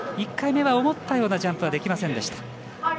１回目は、思ったようなジャンプはできませんでした。